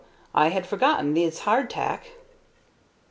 I had forgotten these hardtack."